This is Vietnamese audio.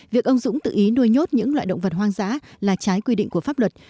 việc ông dũng tự ý nuôi nhốt những loại động vật hoang dã là trái quy định của pháp luật